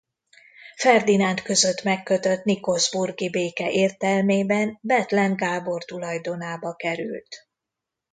Ferdinánd között megkötött nikolsburgi béke értelmében Bethlen Gábor tulajdonába került.